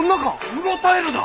うろたえるな。